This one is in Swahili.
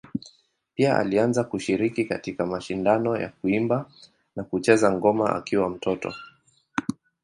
Pia alianza kushiriki katika mashindano ya kuimba na kucheza ngoma akiwa mtoto.